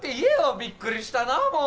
びっくりしたなあもう。